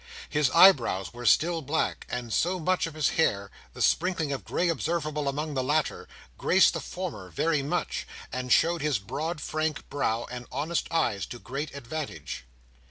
His eyebrows were still black, and so was much of his hair; the sprinkling of grey observable among the latter, graced the former very much, and showed his broad frank brow and honest eyes to great advantage.